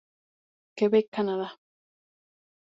Quebec, Canadá.